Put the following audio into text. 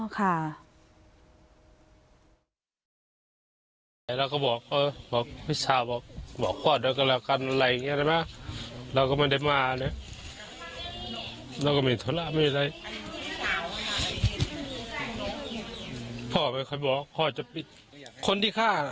คนที่ฆ่า